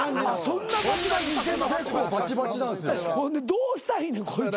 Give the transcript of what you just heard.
どうしたいねんこいつら。